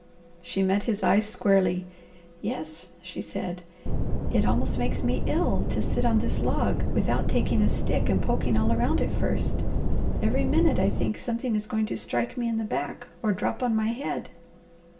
She met his eyes squarely. "Yes," she said. "It almost makes me ill to sit on this log without taking a stick and poking all around it first. Every minute I think something is going to strike me in the back or drop on my head."